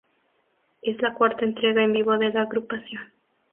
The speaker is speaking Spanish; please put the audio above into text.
Es la cuarta entrega en vivo de la agrupación.